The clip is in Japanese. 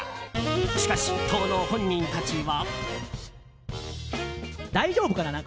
しかし、当の本人たちは。